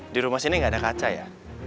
di rumah sini nggak ada kaca ya